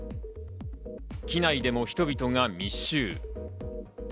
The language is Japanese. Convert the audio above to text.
機内でも人々が密集。